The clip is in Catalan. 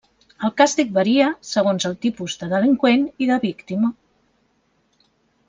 El càstig varia segons el tipus de delinqüent i de víctima.